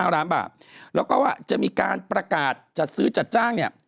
๕ล้านบาทแล้วก็ว่าจะมีการประกาศจัดซื้อจัดจ้างเนี่ย